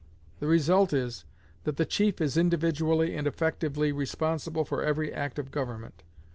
The result is, that the chief is individually and effectively responsible for every act of the government.